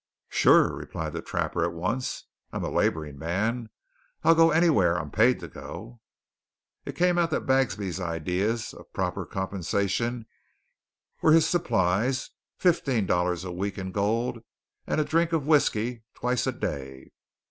"Sure," replied the trapper at once. "I'm a labouring man, I'll go anywhar I'm paid to go." It came out that Bagsby's ideas of proper compensation were his supplies, fifteen dollars a week in gold, and a drink of whiskey twice a day!